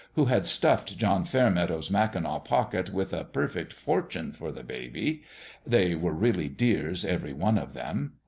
who had stuffed John Fairmeadow's mackinaw pocket with a perfect fortune for the baby they were really dears, every one of them.